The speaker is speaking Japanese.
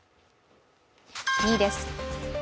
２位です。